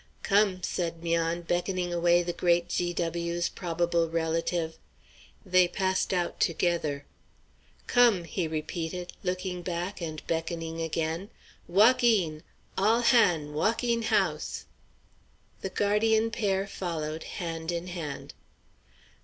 "Come," said 'Mian, beckoning away the great G. W.'s probable relative. They passed out together. "Come!" he repeated, looking back and beckoning again; "walk een! all han'! walk een house!" The guardian pair followed, hand in hand.